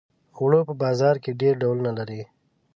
اوړه په بازار کې ډېر ډولونه لري